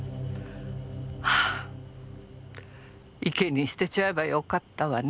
池に捨てちゃえばよかったわね。